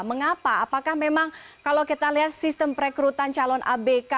mengapa apakah memang kalau kita lihat sistem perekrutan calon abk